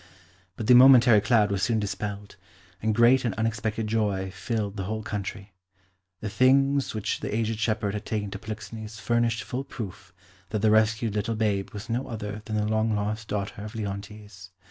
But the momentary cloud was soon dispelled, and great and unexpected joy filled the whole country. The things which the aged shepherd had taken to Polixenes furnished full proof that the rescued little babe was no other than the long lost daughter of Leontes.